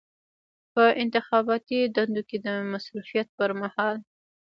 په انتخاباتي دندو کې د مصروفیت پر مهال.